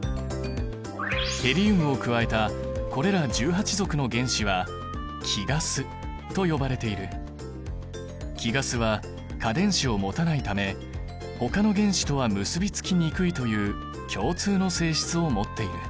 ヘリウムを加えたこれら１８族の原子は貴ガスは価電子を持たないためほかの原子とは結びつきにくいという共通の性質を持っている。